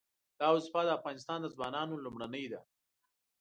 دا وظیفه د افغانستان د ځوانانو لومړنۍ ده.